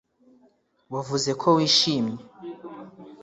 wavuze ko wishimye